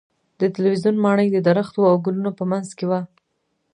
د تلویزیون ماڼۍ د درختو او ګلونو په منځ کې وه.